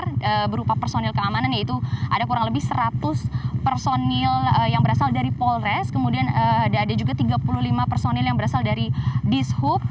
ini berupa personil keamanan yaitu ada kurang lebih seratus personil yang berasal dari polres kemudian ada juga tiga puluh lima personil yang berasal dari dishub